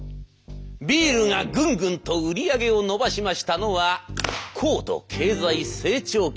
ビールがグングンと売り上げを伸ばしましたのは高度経済成長期。